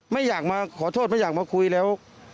ไม่อยากมาขอโทษไม่อยากมาคุยแล้ว